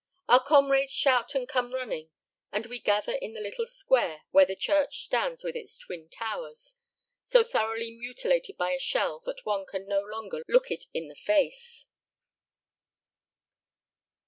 Our comrades shout and come running, and we gather in the little square where the church stands with its twin towers so thoroughly mutilated by a shell that one can no longer look it in the face.